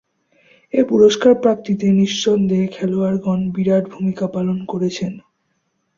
এ পুরস্কার প্রাপ্তিতে নিঃসন্দেহে খেলোয়াড়গণ বিরাট ভূমিকা পালন করেছেন।